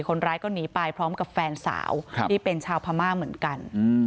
คนร้ายก็หนีไปพร้อมกับแฟนสาวที่เป็นชาวพม่าเหมือนกัน